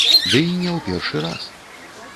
Ды і не ў першы раз.